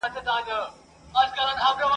او د بشپړي روغتیا هیله ورته کوو !.